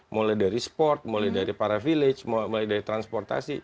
mulai dari sport mulai dari para village mulai dari transportasi